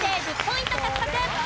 １０ポイント獲得。